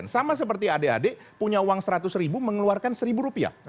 sama seperti adik adik punya uang seratus ribu mengeluarkan seribu rupiah